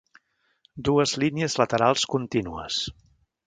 Dues línies laterals contínues.